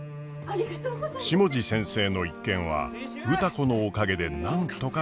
下地先生の一件は歌子のおかげでなんとか解決。